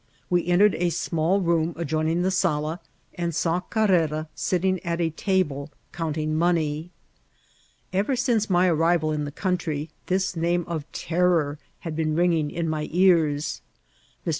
We entered a small room adjoining the sala, and saw Carrera sitting at a table eoonting money. Ever since my arrival in the country this name of terr<»r had been ringing in my ears. Mr.